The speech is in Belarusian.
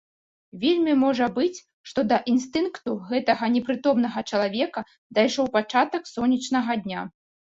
Вельмі можа быць, што да інстынкту гэтага непрытомнага чалавека дайшоў пачатак сонечнага дня.